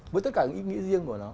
với tất cả những ý nghĩa riêng của nó